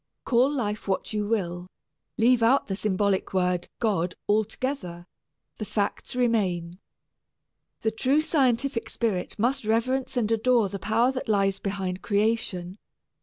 Call life what you will, leave out the symbolic word "God" altogether, the facts remain. The true scientific spirit must reverence and adore the power that lies behind creation.